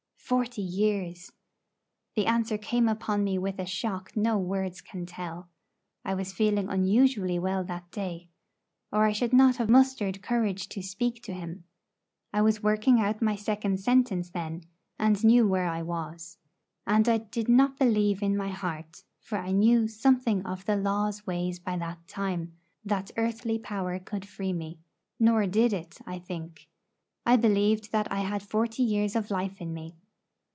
Forty years! The answer came upon me with a shock no words can tell. I was feeling unusually well that day, or I should not have mustered courage to speak to him. I was working out my second sentence then, and knew where I was. And I did not believe in my heart, for I knew something of the law's ways by that time, that earthly power could free me. Nor did it, I think. I believed that I had forty years of life in me.